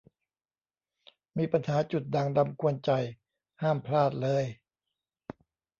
มีปัญหาจุดด่างดำกวนใจ ห้ามพลาดเลย